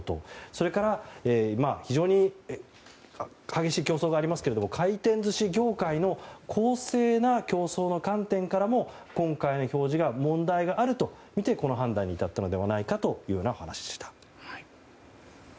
それから非常に激しい競争がありますけれども回転寿司業界の公正な競争の観点からも今回の表示が問題があるとみてこの判断に至ったのではないかという話でした。